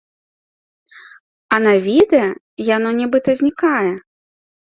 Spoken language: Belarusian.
А на відэа яно нібыта знікае!